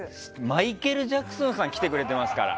マイケル・ジャクソンさん来てくれてますから。